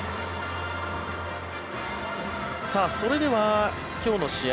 それでは、今日の試合